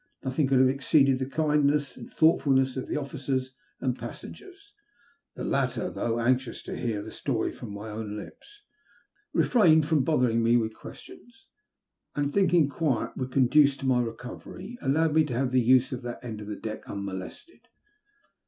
Nothing could have exceeded the kindness and thoughtfulncss of the officers and pas sengers. The latter, though anxious to hear our I 904 THB LUST OF HATB. Btory from my own lips, refrtdned from botLering me with questions ; and thinking quiet would conduce to my recovery, allowed me to have the use of tfafit end of the deck unmolested.